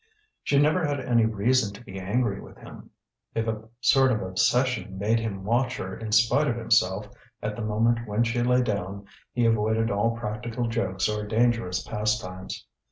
She never had any reason to be angry with him. If a sort of obsession made him watch her in spite of himself at the moment when she lay down, he avoided all practical jokes or dangerous pastimes.